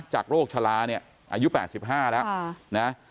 จากโรคชะลาเนี้ยอายุแปดสิบห้าแล้วนะ